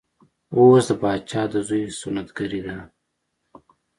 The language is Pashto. اوس د پاچا د زوی سنت ګري ده.